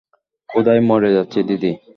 ক্ষুধায় মরে যাচ্ছি, দিদি।